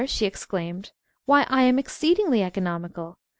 she exclaimed. "Why, I am Exceedingly Economical.